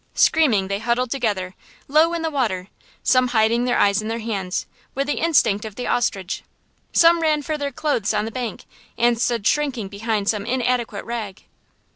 Screaming, they huddled together, low in the water, some hiding their eyes in their hands, with the instinct of the ostrich. Some ran for their clothes on the bank, and stood shrinking behind some inadequate rag.